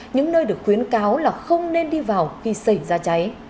những nơi được khuyến cáo là không nên đi vào khi xảy ra cháy